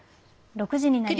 ６時になりました。